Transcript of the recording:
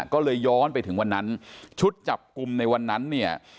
ก็เลยย้อนไปถึงวันนั้นชุดจับกลุ่มในวันนั้นเนี่ย